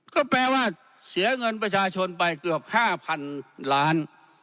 ก็แปลว่าเสียเงินประชาชนไปเกือบ๕๐๐๐ล้าน